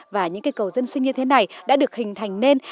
và những cây cầu dân sinh như thế này đã được hình thành nên